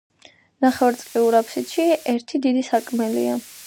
ნახევარწრიულ აბსიდში ერთი დიდი სარკმელია.